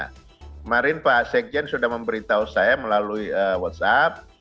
kemarin pak sekjen sudah memberitahu saya melalui whatsapp